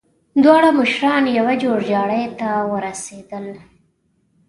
دواړه مشران يوه جوړجاړي ته ورسېدل.